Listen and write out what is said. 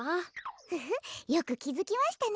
フフよくきづきましたね。